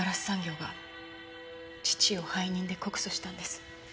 産業が父を背任で告訴したんです。